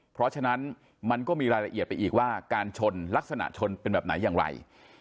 เพราะฉะนั้นมันก็มีรายละเอียดไปอีกว่าการชนลักษณะชนเป็นแบบไหนอย่างไร